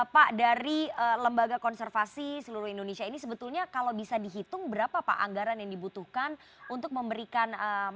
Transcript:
pak dari lembaga konservasi seluruh indonesia ini sebetulnya kalau bisa dihitung berapa pak anggaran yang dibutuhkan untuk memberikan